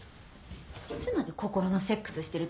いつまで心のセックスしてるつもり？